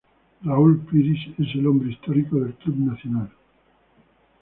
Raúl Piris es el hombre histórico del club Nacional.